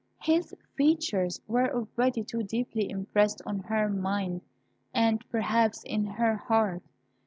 His features were already too deeply impressed on her mind, and, perhaps, in her heart.